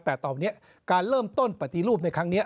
แต่ตอนนี้การเริ่มต้นปฏิรูปในครั้งนี้